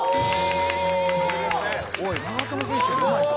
「おい長友選手よりうまいぞ」